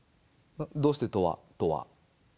「どうしてとは？」とは？